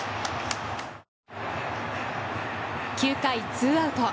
９回ツーアウト。